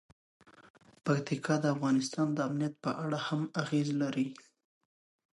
پکتیکا د افغانستان د امنیت په اړه هم اغېز لري.